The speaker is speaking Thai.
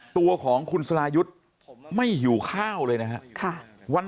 ตัวของคุณสรายุทธ์ไม่หิวข้าวเลยนะครับ